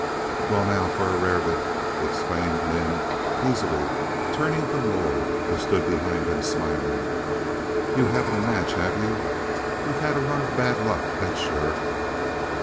"Well, now for a rarebit," exclaimed Lynde, easily, turning to Lord, who stood behind him smiling. "You haven't a match, have you? We've had a run of bad luck, that's sure."